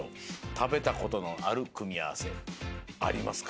たべたことのあるくみあわせありますか？